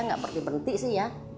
nggak berhenti berhenti sih ya